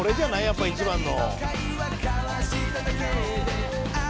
やっぱ一番の。